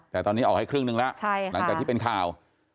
แต่ตอนนี้ออกให้ครึ่งหนึ่งแล้วหลังจากที่เป็นข่าว